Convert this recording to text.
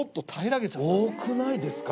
多くないですか！？